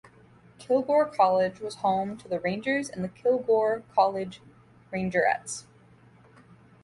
Kilgore College is home to the Rangers and the Kilgore College Rangerettes.